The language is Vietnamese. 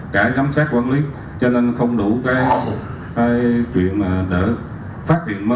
đã giám sát quân lý cho nên không đủ cái chuyện để phát hiện mới di sản